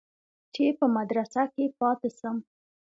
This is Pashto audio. چې په مدرسه کښې پاته سم.